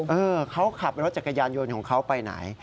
เออเขาขับรถจักรยานยนต์ของเขาไปไหน